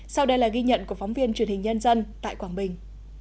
sau đây là ghi nhận của phóng viên truyền hình nhân dân tại quảng bình